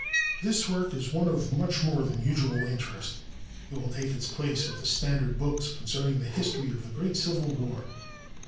This work is one of much more than usual interest. It will take its place with the standard books concerning the history of the great Civil War.